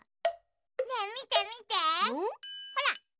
ねえみてみてほら。